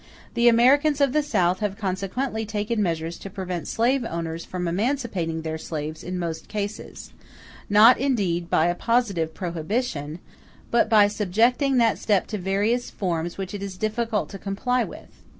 The Americans of the South have consequently taken measures to prevent slave owners from emancipating their slaves in most cases; not indeed by a positive prohibition, but by subjecting that step to various forms which it is difficult to comply with.